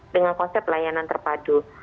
dengan konsep layanan terpadu